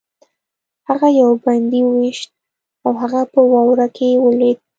هغه یو بندي وویشت او هغه په واوره کې ولوېد